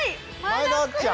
前田あっちゃん。